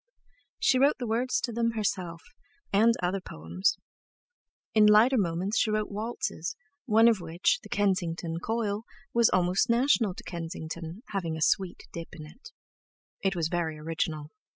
She wrote the words to them herself, and other poems. In lighter moments she wrote waltzes, one of which, the "Kensington Coil," was almost national to Kensington, having a sweet dip in it. Thus: It was very original.